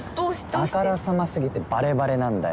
あからさますぎてバレバレなんだよ。